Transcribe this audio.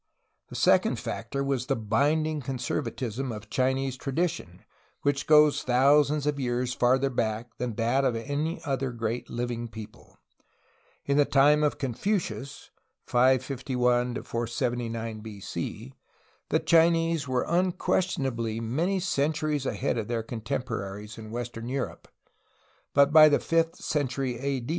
The second factor was the binding conservatism of Chinese tradition, which goes thousands of years farther back than that of any other great Uving peo ple. In the time of Confucius (551 479 B. C.) the Chinese were unquestionably many centuries ahead of their contem poraries in western Europe, but by the fifth century A.